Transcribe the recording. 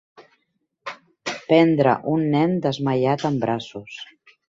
Prendre un nen desmaiat en braços.